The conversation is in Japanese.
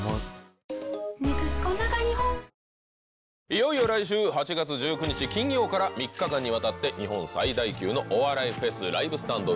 いよいよ来週８月１９日金曜から３日間にわたって日本最大級のお笑いフェス「ＬＩＶＥＳＴＡＮＤ２２−２３」